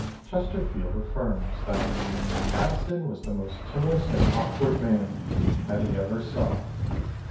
Chesterfield affirms that 'Addison was the most timorous and awkward man that he ever saw.